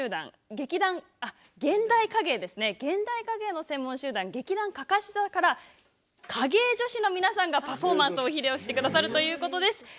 現代影絵の専門集団劇団かかし座から影絵女子の皆さんがパフォーマンスを披露してくださるということです。